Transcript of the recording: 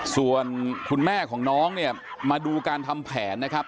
ส่วนคุณแม่ของน้องเนี่ยมาดูการทำแผนนะครับ